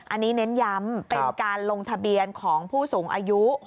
อันนี้เน้นย้ำเป็นการลงทะเบียนของผู้สูงอายุ